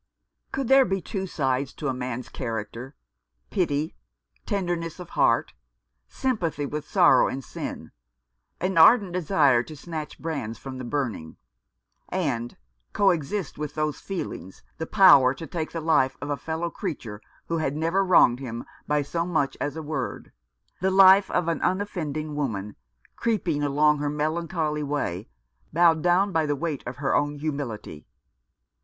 Could there be two sides to a man's character — pity, tenderness of heart, sympathy with sorrow and sin, an ardent desire to snatch brands from the burning, and, co existent with those feelings, the power to take the life of a fellow creature who had never wronged him by so much as a word, the life of an unoffending woman, creeping along her melancholy way, bowed down by the weight of her own humility